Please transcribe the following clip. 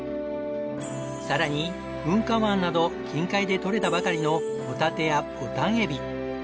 さらに噴火湾など近海で取れたばかりのホタテやボタンエビ。